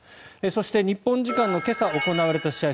そして日本時間の今朝行われた試合